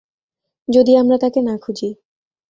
যদি আমরা তাকে না খুঁজি।